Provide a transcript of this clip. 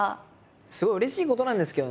すごいうれしいことなんですけどね